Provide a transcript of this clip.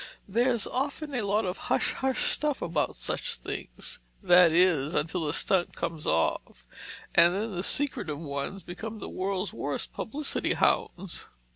"There's often a lot of hush hush stuff about such things—that is, until the stunt comes off—and then the secretive ones become the world's worst publicity hounds!"